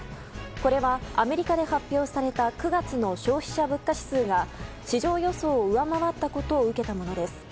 これはアメリカで発表された９月の消費者物価指数が市場予想を上回ったことを受けたものです。